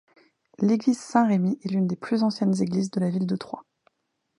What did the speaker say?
L'église Saint-Rémy est l'une des plus anciennes églises de la ville de Troyes.